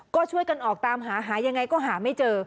ก็ช่วยกันออกตามหาหายังไงก็หาไม่เจอ